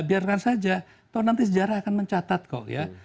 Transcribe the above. biarkan saja atau nanti sejarah akan mencatat kok ya